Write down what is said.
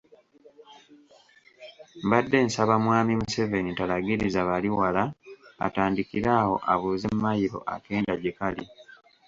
Mbadde nsaba mwami Museveni talagiriza bali wala atandikire awo abuuze mayiro akenda gye kali.